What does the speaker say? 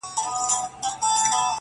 په سره سالو کي ګرځېدې مین دي کړمه!